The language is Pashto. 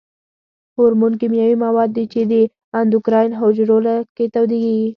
هورمون کیمیاوي مواد دي چې په اندوکراین حجرو کې تولیدیږي.